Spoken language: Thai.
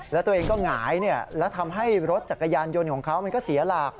แล้วตัวเองก็หงายแล้วทำให้รถจักรยานยนต์ของเขามันก็เสียหลัก